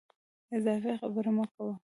اضافي خبري مه کوه !